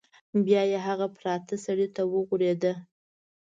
بیا یې هغه پراته سړي ته وغوریده.